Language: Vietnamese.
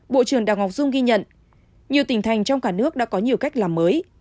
bộ trưởng đào ngọc dung ghi nhận nhiều tỉnh thành trong cả nước đã có nhiều cách làm mới